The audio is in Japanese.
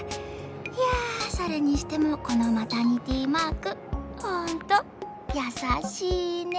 いやそれにしてもこのマタニティマークホントやさしいね。